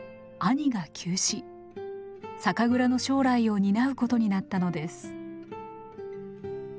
酒蔵の将来を担うことになったのです。